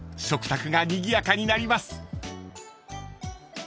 ［食卓がにぎやかになります］